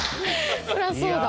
そりゃそうだ。